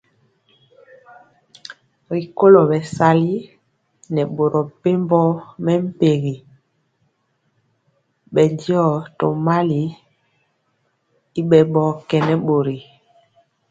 Rikolo bɛsali nɛ boro mepempɔ mɛmpegi bɛndiɔ tomali y bɛ bɔkenɛ bori.